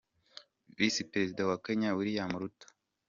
Visi Perezida wa kenya, Wiliam Ruto